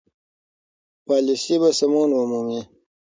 پالیسي به سمون ومومي.